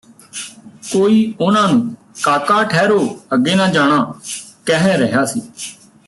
ਕੋਈ ਉਹਨਾਂ ਨੂੰ ਕਾਕਾ ਠਹਿਰੋ ਅੱਗੇ ਨਾ ਜਾਣਾ’’ ਕਹਿ ਰਿਹਾ ਸੀ